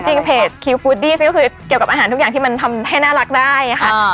จริงเพจคิวฟูดดี้ก็คือเกี่ยวกับอาหารทุกอย่างที่มันทำให้น่ารักได้ค่ะ